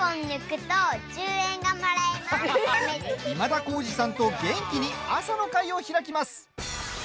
今田耕司さんと元気に朝の会を開きます。